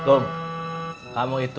ingin menjaga suhu